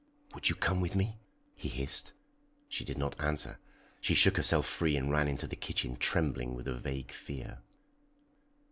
"Would you come with me?" he hissed. She did not answer; she shook herself free and ran into the kitchen, trembling with a vague fear.